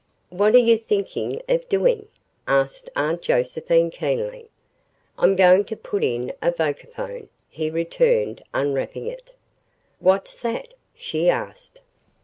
"What are you thinking of doing?" asked Aunt Josephine keenly. "I'm going to put in a vocaphone," he returned unwrapping it. "What's that?" she asked.